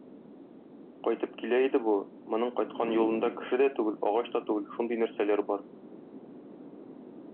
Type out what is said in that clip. Кайтып килә иде бу, моның кайткан юлында кеше дә түгел, агач та түгел, шундый нәрсәләр бар.